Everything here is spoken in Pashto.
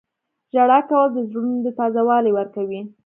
• ژړا کول د زړونو ته تازه والی ورکوي.